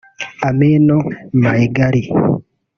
Aminu Maigari